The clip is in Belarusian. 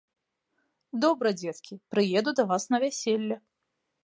Добра, дзеткі, прыеду да вас на вяселле.